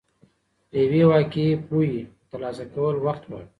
د یوې واقعي پوهې ترلاسه کول وخت غواړي.